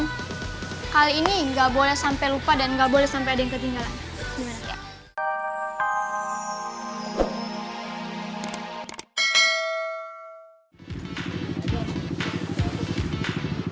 dan kali ini gak boleh sampai lupa dan gak boleh sampai ada yang ketinggalan